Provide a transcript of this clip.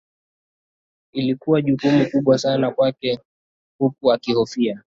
Ilikuwa jukumu kubwa sana kwake huku akihofia